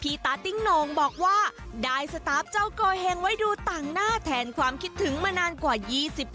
ตาติ้งโหน่งบอกว่าได้สตาร์ฟเจ้าโกเห็งไว้ดูต่างหน้าแทนความคิดถึงมานานกว่า๒๐ปี